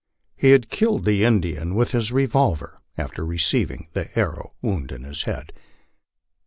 He had killed the Indian with his revolver after receiving the arrow wound in his head.